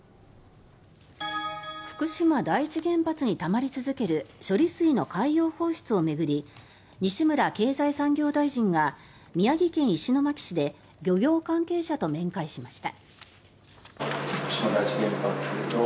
福島第一原発にたまり続ける処理水の海洋放出を巡り西村経済産業大臣が宮城県石巻市で漁業関係者と面会しました。